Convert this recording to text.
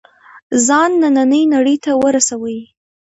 ځان نننۍ نړۍ ته ورسوي.